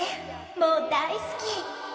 もう大好き！